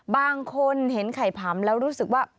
บางคนเห็นไข่ผำแล้วรู้สึกว่า